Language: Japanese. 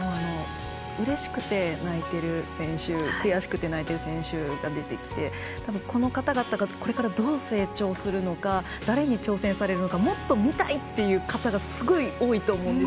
うれしくて泣いてる選手くやしくて泣いてる選手が出てきてたぶん、この方々がこれからどう成長するのか誰に挑戦されるのかもっと見たいという方がすごい、多いと思うんです。